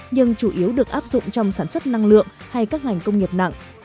nhưng chủ yếu được áp dụng trong sản xuất năng lượng hay các ngành công nghiệp nặng